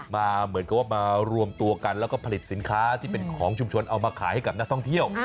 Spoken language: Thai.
มารวมตัวกันแล้วก็ผลิตสินค้าที่เป็นของชุมชนเอามาขายให้กับหน้าท่องเที่ยว